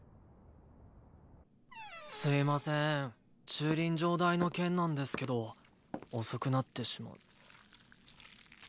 駐輪場代の件なんですけど遅くなってしまっ。